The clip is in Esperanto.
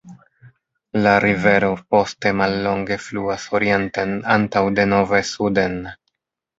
La rivero poste mallonge fluas orienten antaŭ denove suden.